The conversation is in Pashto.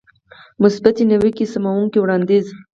مثبتې نيوکې او سموونکی وړاندیز.